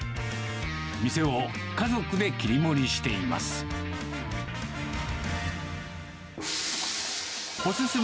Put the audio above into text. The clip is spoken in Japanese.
店を家族で切り盛りしています。